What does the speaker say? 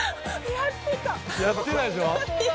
やってたでしょ。